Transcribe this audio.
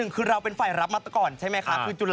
คือเราเป็นฝ่ายรับมาต่อก่อน